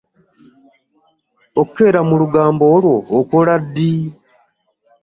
Okukeera mu lugambo olwo okola ddi?